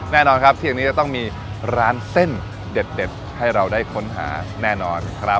แน่นอนครับเที่ยงนี้จะต้องมีร้านเส้นเด็ดให้เราได้ค้นหาแน่นอนครับ